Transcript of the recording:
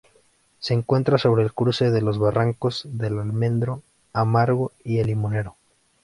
Se encuentra sobre el cruce de los barrancos del Almendro Amargo y El Limonero.